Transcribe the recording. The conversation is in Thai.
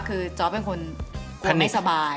คือจอสซ์เป็นคนควบคุมไม่สบาย